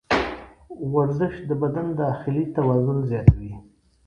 ورزش د بدن داخلي توان زیاتوي.